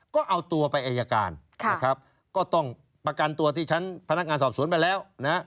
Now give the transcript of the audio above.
ก็เอาตัวไปอายการนะครับก็ต้องประกันตัวที่ชั้นพนักงานสอบสวนไปแล้วนะฮะ